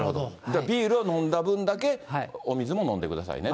ビールを飲んだ分だけ、お水も飲んでくださいね。